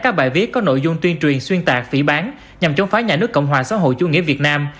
các bài viết có nội dung tuyên truyền xuyên tạc phỉ bán nhằm chống phá nhà nước cộng hòa xã hội chủ nghĩa việt nam